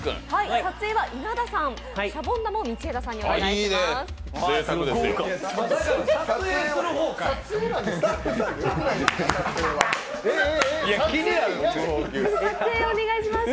撮影は稲田さん、シャボン玉を道枝さんにお願いします。